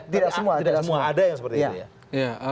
tidak semua ada yang seperti itu ya